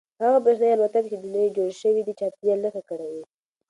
هغه برېښنايي الوتکې چې نوې جوړې شوي دي چاپیریال نه ککړوي.